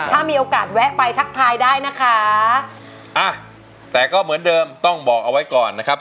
ถ้ามีโอกาสแวะไปทักทายได้นะคะอ่ะแต่ก็เหมือนเดิมต้องบอกเอาไว้ก่อนนะครับ